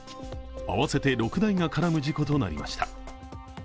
合わせて６台が絡む事故となりました。